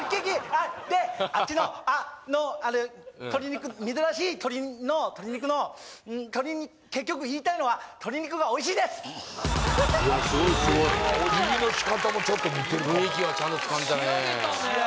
あっであっちのあの鶏肉珍しい鳥の鶏肉のとりに結局言いたいのは鶏肉がおいしいですでもすごいすごいおじぎのしかたもちょっと似てるわ雰囲気はちゃんとつかんでたね